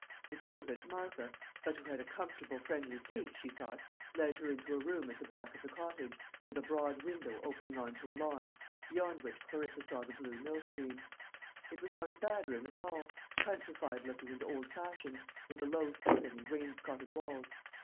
The servant, Martha, who was a stranger to her, but who had a comfortable friendly face, she thought, led her into a room at the back of the cottage, with a broad window opening on to a lawn, beyond which Clarissa saw the blue mill stream. It was not a bad room at all: countrified looking and old fashioned, with a low ceiling and wainscoted walls.